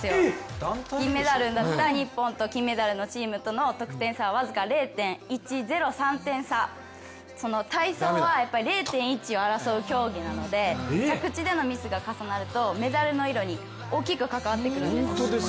銀メダルだった日本と金メダルのチームの得点差は僅か０．１０３点差、体操は０．１を争う競技なので着地でのミスが重なるとメダルの色に大きく関わってくるんです。